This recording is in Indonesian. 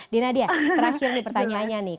dinadia terakhir nih pertanyaannya nih